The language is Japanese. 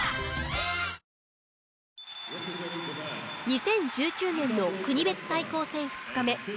２０１９年の国別対抗戦２日目。